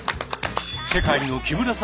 「世界の木村さん」